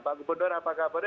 pak gubernur apa kabar